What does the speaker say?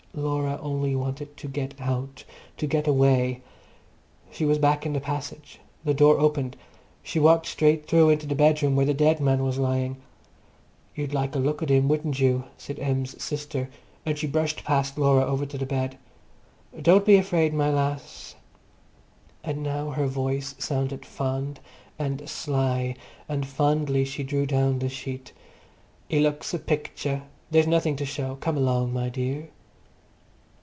Laura only wanted to get out, to get away. She was back in the passage. The door opened. She walked straight through into the bedroom, where the dead man was lying. "You'd like a look at 'im, wouldn't you?" said Em's sister, and she brushed past Laura over to the bed. "Don't be afraid, my lass,"—and now her voice sounded fond and sly, and fondly she drew down the sheet—"'e looks a picture. There's nothing to show. Come along, my dear."